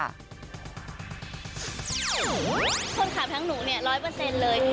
คนขับทั้งหนูเนี่ย๑๐๐เลย